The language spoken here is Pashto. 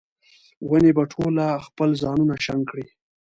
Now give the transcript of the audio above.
ونې به ټوله خپل ځانونه شنډ کړي